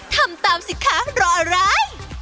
ทำตามสิคะรออะไร